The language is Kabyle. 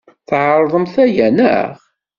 Tɛerḍemt aya, naɣ?